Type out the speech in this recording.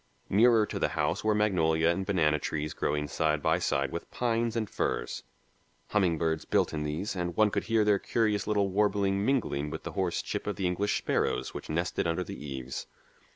Nearer to the house were magnolia and banana trees growing side by side with pines and firs. Humming birds built in these, and one could hear their curious little warbling mingling with the hoarse chirp of the English sparrows which nested under the eaves.